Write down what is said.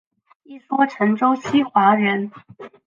一说陈州西华人。